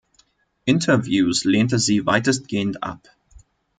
Interviews lehnte sie weitestgehend ab.